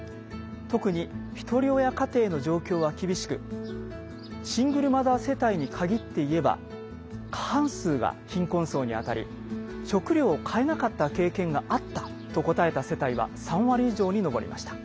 特にひとり親家庭の状況は厳しくシングルマザー世帯に限って言えば過半数が貧困層に当たり食料を買えなかった経験が「あった」と答えた世帯は３割以上に上りました。